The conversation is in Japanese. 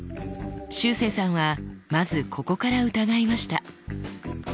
しゅうせいさんはまずここから疑いました。